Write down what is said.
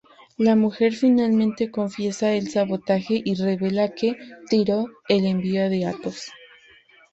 La mujer finalmente confiesa el sabotaje, y revela que "tiró" el envío de Athos.